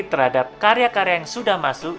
terhadap karya karya yang sudah masuk